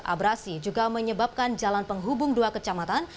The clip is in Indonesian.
abrasi juga menyebabkan jalan penghubung dua kecamatan